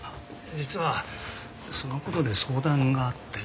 実はそのことで相談があって。